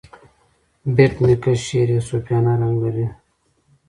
بېټ نیکه شعر یو صوفیانه رنګ لري.